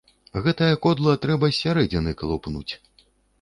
Гэтае кодла трэба з сярэдзіны калупнуць.